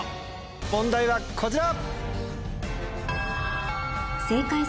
問題はこちら！